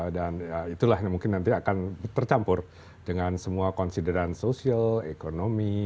dan itulah yang mungkin nanti akan tercampur dengan semua consideran sosial ekonomi